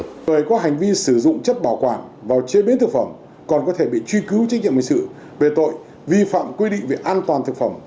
người có hành vi sử dụng chất bảo quản vào chế biến thực phẩm còn có thể bị truy cứu trách nhiệm hình sự về tội vi phạm quy định về an toàn thực phẩm